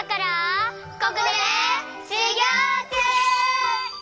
ここでしゅぎょうちゅう！